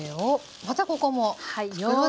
またここも。